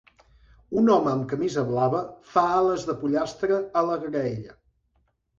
Un home amb una camisa blava fa ales de pollastre a la graella.